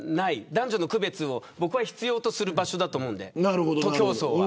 男女の区別を必要とする場所だと思うので、徒競走は。